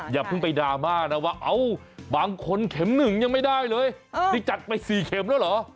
อย่าเพิ่งไปดราม่านะว่าเอ้าบางคนเข็ม๑ยังไม่ได้เลยนี่จัดไป๔เข็มแล้วเหรอ